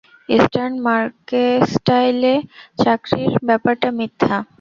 Eastern মার্কেস্টাইলে চাকরির ব্যাপারটা মিথ্যা।